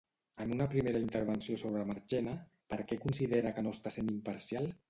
En una primera intervenció sobre Marchena, per què considera que no està sent imparcial?